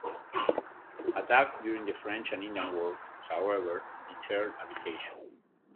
Attacks during the French and Indian Wars, however, deterred habitation.